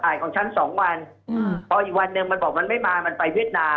ต้องหาเครียมได้ยังไง